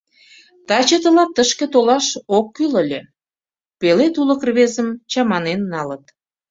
— Таче тылат тышке толаш ок кӱл ыле, — пеле тулык рвезым чаманен налыт.